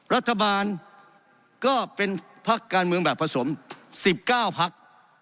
รัฐบาลก็เป็นพักการเมืองแบบผสม๑๙พัก